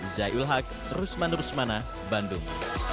zai ul haq rusman rusmana bandung